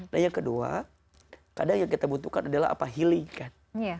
nah yang kedua kadang yang kita butuhkan adalah apa healing kan